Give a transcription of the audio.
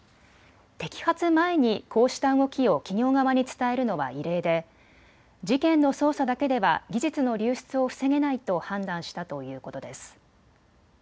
摘発前にこうした動きを企業側に伝えるのは異例で事件の捜査だけでは技術の流出を防げないと判断したということです。